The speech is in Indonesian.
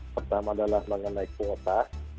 pertama adalah mengenai kuota